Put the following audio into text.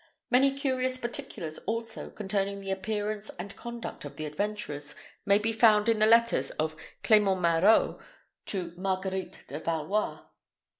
Many curious particulars, also, concerning the appearance and conduct of the adventurers, may be found in the letters of Clement Marot to Marguerite de Valois.